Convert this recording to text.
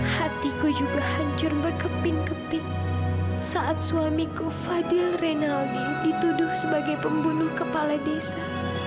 hatiku juga hancur berkepin keping saat suamiku fadil renaldi dituduh sebagai pembunuh kepala desa